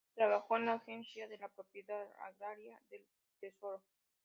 Trabajó en la Agencia de la Propiedad Agraria del Tesoro.